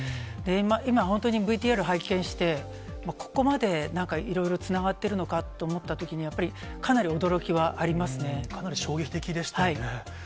今、本当にＶＴＲ拝見して、ここまでいろいろつながってるのかと思ったときに、やっぱりかなかなり衝撃的でしたよね。